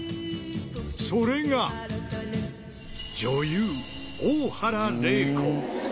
それが、女優、大原麗子。